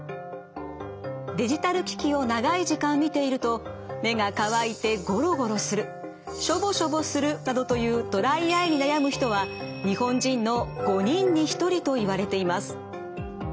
デジタル機器を長い時間見ていると目が乾いてゴロゴロするしょぼしょぼするなどというドライアイに悩む人は日本人の５人に１人といわれています。